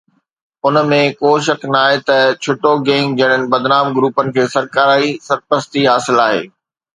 ان ۾ ڪو شڪ ناهي ته ڇٽو گينگ جهڙن بدنام گروپن کي سرڪاري سرپرستي حاصل آهي